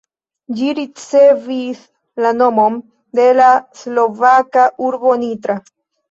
Ĝi ricevis la nomon de la slovaka urbo Nitra.